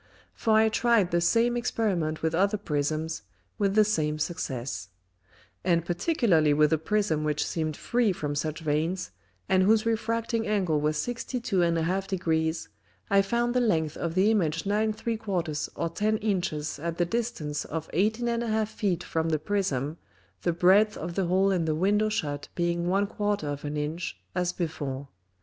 For I tried the same Experiment with other Prisms with the same Success. And particularly with a Prism which seemed free from such Veins, and whose refracting Angle was 62 1/2 Degrees, I found the Length of the Image 9 3/4 or 10 Inches at the distance of 18 1/2 Feet from the Prism, the Breadth of the Hole in the Window shut being 1/4 of an Inch, as before.